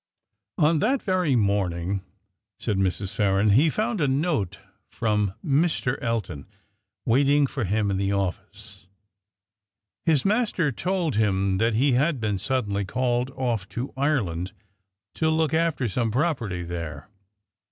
"On that very morning," said Mrs. Farren, "he found a note from Mr. Elton waiting for him in the office. His master told him that he had been suddenly called off to Ireland to look after some property there.